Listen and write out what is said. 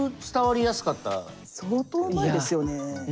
相当うまいですよね。